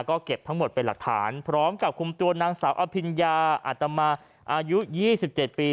ก็เก็บทั้งหมดเป็นหลักฐานพร้อมกับคุมตัวนางสาวอภิญญาอัตมาอายุ๒๗ปี